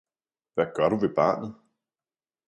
Hvad gør du ved barnet?